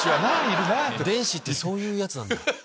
電子ってそういうやつなんだ。